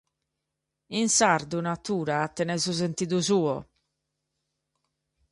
In sardu "natura" tenet su sentidu suo.